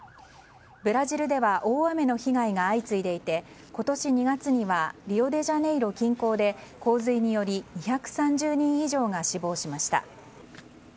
ブラジルでは大雨の被害が相次いでいて今年２月にはリオデジャネイロ近郊で洪水により２３０人以上が死亡しました。